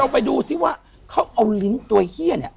ไปดูซิว่าเขาเอาลิ้นตัวเฮียเนี่ย